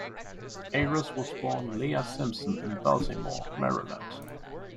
Ayres was born Leah Simpson in Baltimore, Maryland.